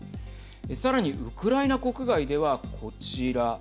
さらに、ウクライナ国外ではこちら。